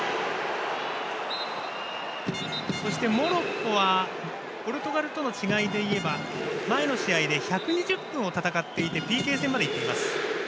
そして、モロッコはポルトガルとの違いでいえば前の試合で１２０分を戦っていてＰＫ戦まで行っています。